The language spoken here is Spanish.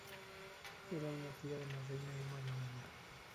Era una tía de la reina Emma de Holanda.